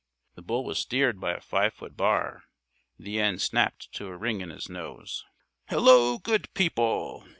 The bull was steered by a five foot bar, the end snapped to a ring in his nose. "Hello, good people!"